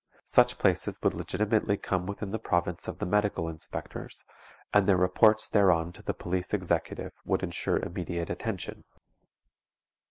Such places would legitimately come within the province of the medical inspectors, and their reports thereon to the police executive would insure immediate attention.